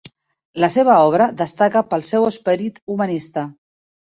La seva obra destaca pel seu esperit humanista.